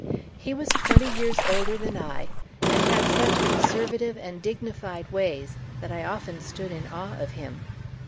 He was twenty years older than I, and had such conservative and dignified ways, that I often stood in awe of him.